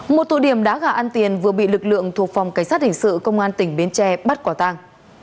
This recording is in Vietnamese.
một tụ điểm đá gà ăn tiền vừa bị lực lượng thuộc phòng cảnh sát hình sự công an tỉnh bến tre bắt quả tàng